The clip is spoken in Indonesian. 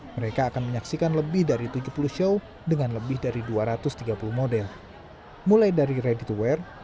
mereka akan menyaksikan lebih dari tujuh puluh show dengan lebih dari dua ratus tiga puluh model mulai dari ready to wear